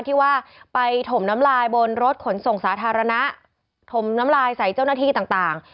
ที่ว่าไปถมน้ำลายบนรถขนส่งสาธารณะถมน้ำลายใส่เจ้าหน้าที่ต่าง